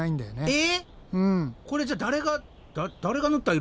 え？